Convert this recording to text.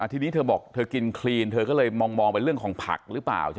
ทีนี้เธอบอกเธอกินคลีนเธอก็เลยมองไปเรื่องของผักหรือเปล่า